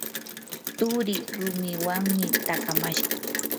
turii rumiwanmi takamashqa.